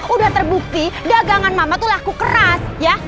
udah terbukti dagangan mama tuh laku keras ya